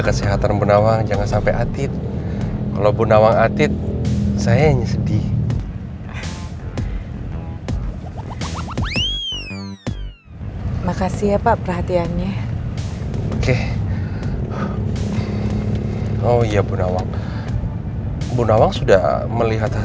pesen makannya di sini